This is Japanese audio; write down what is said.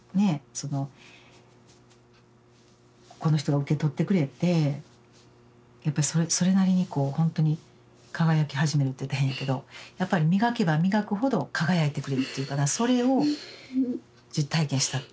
そのこの人が受け取ってくれてやっぱりそれなりにこうほんとに輝き始めるっていったら変やけどやっぱり磨けば磨くほど輝いてくれるっていうかなそれを実体験したっていうか。